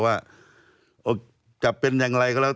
ว่าจะเป็นอย่างไรก็แล้ว